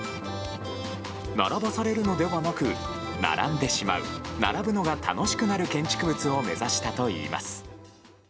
並ばされるのではなく並んでしまう並ぶのが楽しくなる建築物を目指したといいます。